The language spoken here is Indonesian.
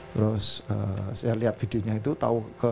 terus saya lihat videonya itu tahu